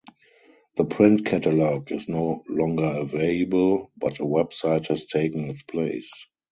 The print catalog is no longer available, but a website has taken its place.